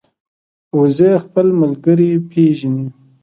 وزې خپل ملګري پېژني